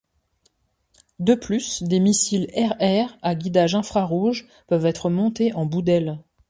De plus des missiles air-air à guidage infrarouge peuvent être montés en bout d'ailes.